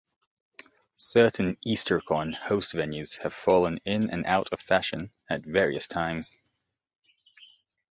Certain Eastercon host venues have fallen in and out of fashion at various times.